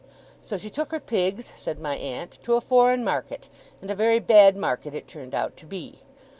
So she took her pigs,' said my aunt, 'to a foreign market; and a very bad market it turned out to be.